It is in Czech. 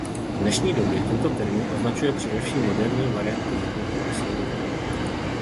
V dnešní době tento termín označuje především moderní varianty hip hopu a soulu.